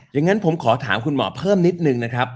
อย่างนั้นผมขอถามคุณหมอเพิ่มนิดนึงนะครับ